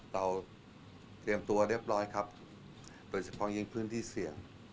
เราเตรียมตัวเรียบร้อยครับโดยเฉพาะยิ่งพื้นที่เสี่ยง